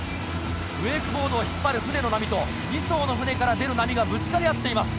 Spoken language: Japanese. ウェイクボードを引っ張る船の波と２艘の船から出る波がぶつかり合っています。